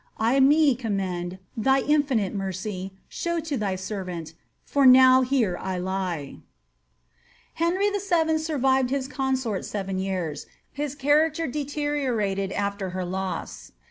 I me commend ; thy infinite mercy. Show to thy servant, for now here I lie I Henry VIL survived his consort seven years; his character deteriorated after her loss.